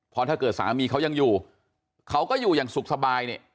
เพราะถ้าเกิดสามีเขายังอยู่เขาก็อยู่อย่างสุขสบายเนี่ย